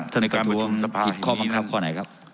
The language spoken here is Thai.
ท่านประท้วงขอบังคับข้อไหนครับ